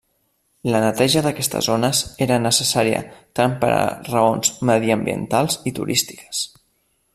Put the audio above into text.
La neteja d'aquestes zones era necessària tant per raons mediambientals i turístiques.